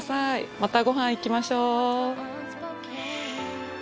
またごはん行きましょ！